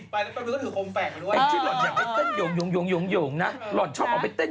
ไปแล้วเป็นก็ถือโครงแฟนไปด้วยหลอดชอบเอาไปเต้น